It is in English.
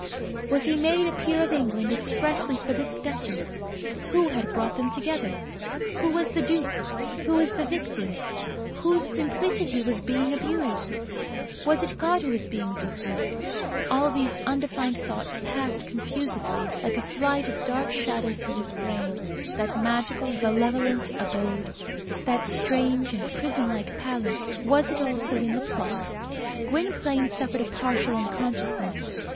Was he made a peer of England expressly for this duchess? Who had brought them together? Who was the dupe? Who the victim? Whose simplicity was being abused? Was it God who was being deceived? All these undefined thoughts passed confusedly, like a flight of dark shadows, through his brain. That magical and malevolent abode, that strange and prison like palace, was it also in the plot? Gwynplaine suffered a partial unconsciousness.